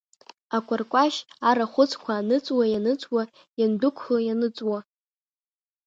Акәаркәашь арахәыцқәа аныҵуа, ианыҵуа, иандәықәло ианыҵуа…